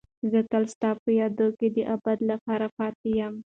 زه تل ستا په یادونو کې د ابد لپاره پاتې یم.